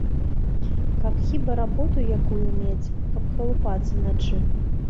Каб хіба работу якую мець, каб калупацца над чым.